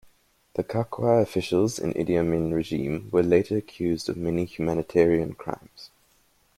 The Kakwa officials in Idi Amin regime were later accused of many humanitarian crimes.